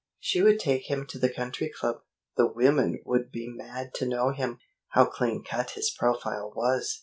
She would take him to the Country Club. The women would be mad to know him. How clean cut his profile was!